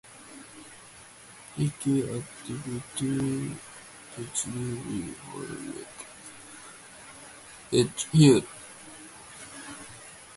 Hiking activity peaks during Holy Week each year, with climbers numbering to the thousands.